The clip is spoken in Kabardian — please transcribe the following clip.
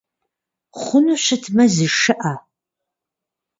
Хъуну щытмэ зышыӏэ!